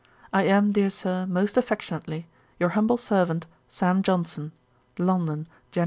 'I am, dear Sir, most affectionately, 'Your humble servant, 'SAM. JOHNSON.' 'London, Jan.